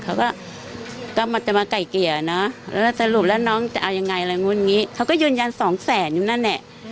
เขาก็จะมาไก่เกลี่ยนะแล้วสรุปแล้วน้องจะเอายังไงอะไรนู้นอย่างนี้เขาก็ยืนยันสองแสนอยู่นั่นแหละ